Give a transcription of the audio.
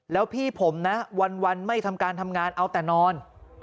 แล้วพี่ผมนะวันไม่ทำการทำงานเอาแต่นอน